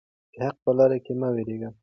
د حق په لاره کې مه ویریږئ.